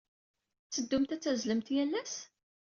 Tetteddumt ad tazzlemt yal ass?